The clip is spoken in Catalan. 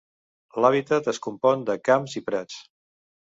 L'hàbitat es compon de camps i prats.